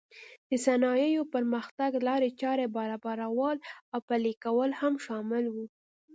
د صنایعو پرمختګ لارې چارې برابرول او پلې کول هم شامل و.